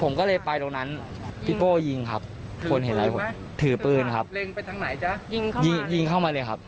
ผมก็เลยไปตรงนั้นพี่โป้ยิงครับควรเห็นอะไรถือปืนครับยิงยิงเข้ามาเลยครับ